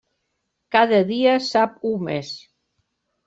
Cada dia sap u més.